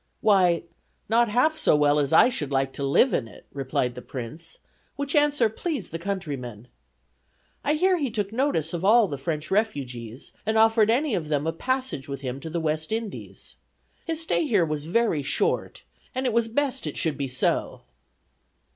'Why, not half so well as I should like to live in it,' replied the prince, which answer pleased the countryman. I hear he took notice of all the French refugees, and offered any of them a passage with him to the West Indies. His stay here was very short, and it was best it should be so."